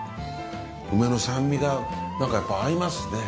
梅の酸味がなんかやっぱ合いますね。